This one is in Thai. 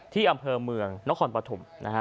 ที่อำเภอเมืองนครปฐมนะฮะ